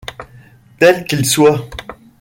Tel qu'il soit.